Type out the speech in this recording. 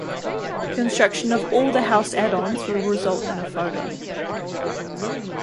Construction of all of the house add-ons will result in a photo.